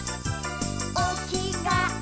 「おきがえ